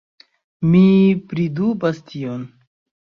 Mi pridubas tion.